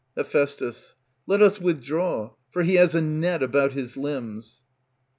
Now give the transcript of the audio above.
Heph. Let us withdraw, for he has a net about his limbs. _Kr.